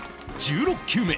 １６球目